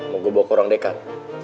mau gue bawa ke ruang dekar